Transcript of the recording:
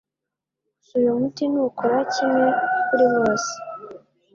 gusa uyu muti ntukora kimwe kuri bose.